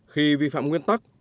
khi vi phạm nguyên tắc